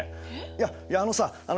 いやいやあのさあ